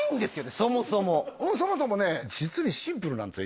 そもそもそもそもね実にシンプルなんですよ